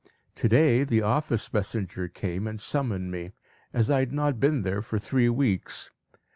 _ To day the office messenger came and summoned me, as I had not been there for three weeks.